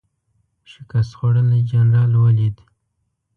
شکست خوړلی جنرال ولید.